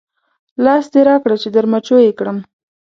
دا لاس دې راکړه چې در مچو یې کړم.